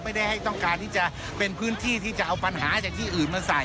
ไม่ได้ให้ต้องการที่จะเป็นพื้นที่ที่จะเอาปัญหาจากที่อื่นมาใส่